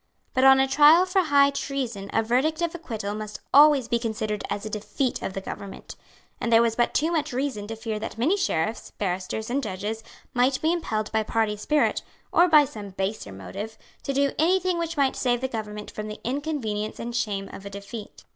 But on a trial for high treason a verdict of acquittal must always be considered as a defeat of the government; and there was but too much reason to fear that many sheriffs, barristers and judges might be impelled by party spirit, or by some baser motive, to do any thing which might save the government from the inconvenience and shame of a defeat.